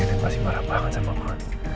andien pasti marah banget sama gue